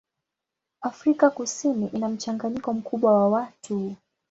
Afrika Kusini ina mchanganyiko mkubwa wa watu.